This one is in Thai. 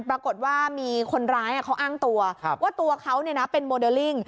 ปรากฏว่ามีคนร้ายเขาอ้างตัวว่าตัวเขาเป็นโมเดลลิ่ง